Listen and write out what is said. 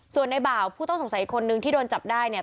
ส่วนในบ่าวผู้ต้องสงสัยอีกคนนึงที่โดนจับได้เนี่ย